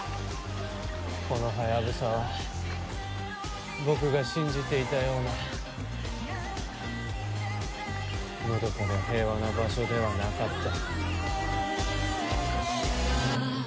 このハヤブサは僕が信じていたようなのどかで平和な場所ではなかった。